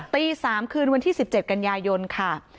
ตี๓คืนวันที่๑๗กันยายนค่ะ